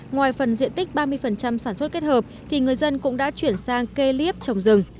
ngoài phần diện tích ba mươi sản xuất kết hợp thì người dân cũng đã chuyển sang kê liếp trồng rừng